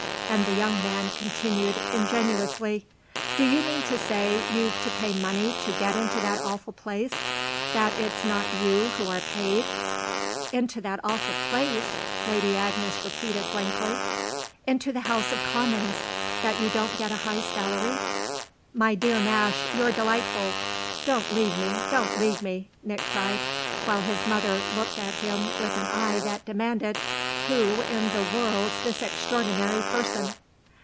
and the young man continued ingenuously: "Do you mean to say you've to pay money to get into that awful place that it's not you who are paid?" "Into that awful place?" Lady Agnes repeated blankly. "Into the House of Commons. That you don't get a high salary?" "My dear Nash, you're delightful: don't leave me don't leave me!" Nick cried; while his mother looked at him with an eye that demanded: "Who in the world's this extraordinary person?"